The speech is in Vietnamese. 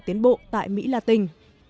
tiến bộ tại mỹ latin